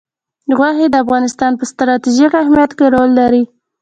غوښې د افغانستان په ستراتیژیک اهمیت کې رول لري.